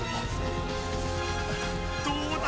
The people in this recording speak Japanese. どうだ？